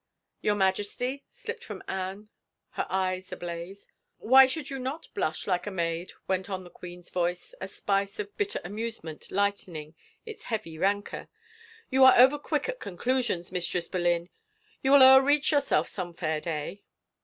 " Your Majesty! " slipped from Anne, her eyes ablaze. " Why should you not blush like a maid ?" went on the queen's voice, a spice of bitter amusement lightening its heavy rancor. " You are overquick at conclusions. Mistress Boleyn — you will o'erreach yourself some fair day."